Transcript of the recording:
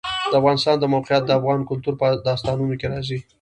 د افغانستان د موقعیت د افغان کلتور په داستانونو کې راځي.